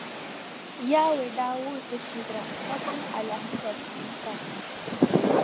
Yawɛ daa wuhi ti shihira ka tum alahiziba tuun’ kara.